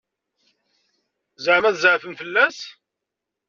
Ẓeɛma tzeɛfem fell-as?